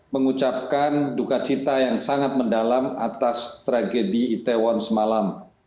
mengucapkan duka cita yang sangat mendalam atas tragedi itaewon semalam